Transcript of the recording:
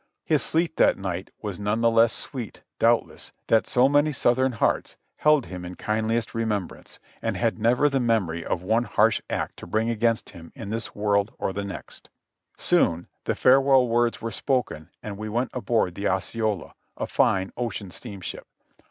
His sleep that night was none the less sweet, doubtless, that so many Southern hearts held him in kind liest remembrance, and had never the memory of one harsh act to bring against him in this world or the next. Soon the farewell words were spoken and we went aboard the Osceola, a fine ocean steamship.